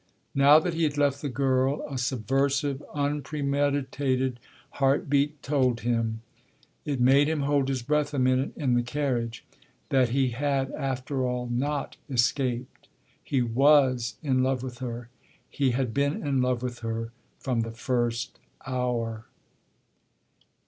Now that he had left the girl a subversive, unpremeditated heart beat told him it made him hold his breath a minute in the carriage that he had after all not escaped. He was in love with her: he had been in love with her from the first hour.